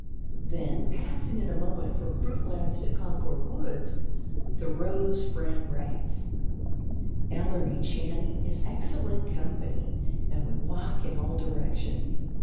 Then, passing in a moment from "Fruitlands" to Concord woods, Thoreau's friend writes: "Ellery Channing is excellent company, and we walk in all directions.